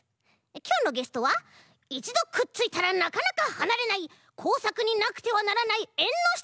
きょうのゲストはいちどくっついたらなかなかはなれないこうさくになくてはならないえんのしたのちからもち！